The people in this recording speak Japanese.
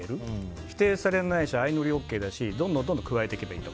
否定されないし相乗りＯＫだしどんどん加えていけばいいと。